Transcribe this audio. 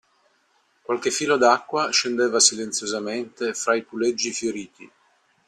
Qualche filo d'acqua scendeva silenziosamente fra i puleggi fioriti.